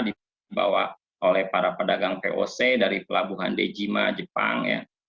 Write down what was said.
dibawa oleh para pedagang voc dari pelabuhan dejima jepang ya